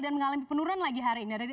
dan mengalami penurunan lagi hari ini